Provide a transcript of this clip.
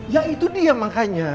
ya itu dia makanya